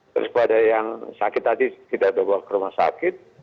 terus pada yang sakit tadi tidak ada rumah sakit